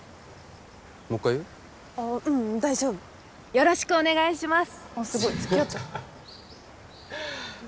よろしくお願いします。